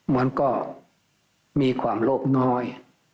มันก็มีความโลภน้อย